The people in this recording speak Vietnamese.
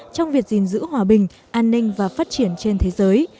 trong việc gìn giữ hòa bình an ninh và phát triển trên thế giới